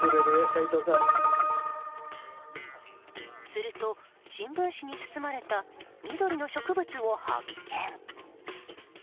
すると、新聞紙に包まれた緑の植物を発見。